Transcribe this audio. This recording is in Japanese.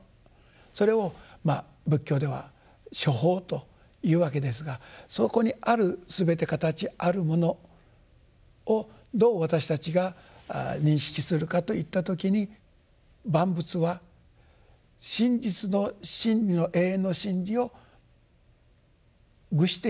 それを仏教では「諸法」というわけですがそこにあるすべて形あるものをどう私たちが認識するかといった時に万物は真実の真理の永遠の真理を具している。